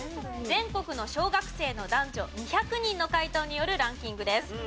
全国の小学生の男女２００人の回答によるランキングです。